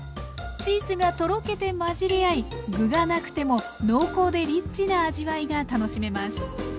チーズがとろけて混じり合い具がなくても濃厚でリッチな味わいが楽しめます！